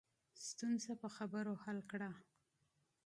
ستونزه په خبرو حل کړه